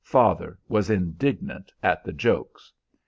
Father was indignant at the jokes.